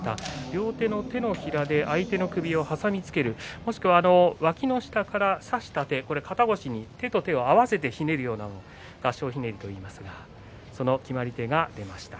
両手の手のひらで相手の首を挟みつけるもしくはわきの下から差した手肩越しに手と手を合わせてひねるような合掌ひねりといいますけれどもその合掌ひねりが出ました。